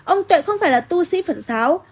ông tuệ không phải là tu sĩ phật giáo